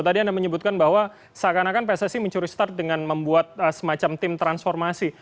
tadi anda menyebutkan bahwa seakan akan pssi mencuri start dengan membuat semacam tim transformasi